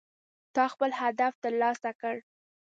تا خپل هدف ترلاسه کړ